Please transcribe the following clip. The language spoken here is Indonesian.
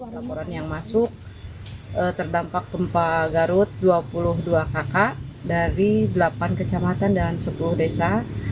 laporan yang masuk terdampak gempa garut dua puluh dua kakak dari delapan kecamatan dan sepuluh desa